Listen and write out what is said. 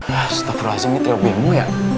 astagfirullahaladzim ini trio bemo ya